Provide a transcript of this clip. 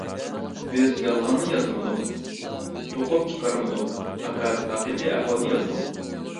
بىز يالغاننى يازمىدۇق، توقۇپ چىقارمىدۇق، پەقەت ھەقىقىي ئەھۋالنى يازدۇق!